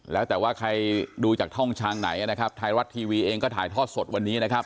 แล้วแต่ว่าใครดูจากช่องทางไหนนะครับไทยรัฐทีวีเองก็ถ่ายทอดสดวันนี้นะครับ